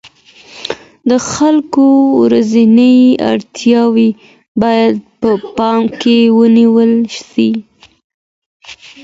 د خلګو ورځنۍ اړتیاوې باید په پام کي ونیول سي.